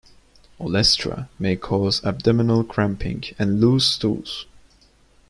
Olestra may cause abdominal cramping and loose stools.